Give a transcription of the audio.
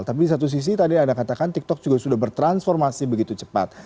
tapi di satu sisi tadi anda katakan tiktok juga sudah bertransformasi begitu cepat